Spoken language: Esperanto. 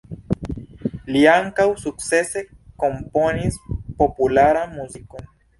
Li ankaŭ sukcese komponis popularan muzikon.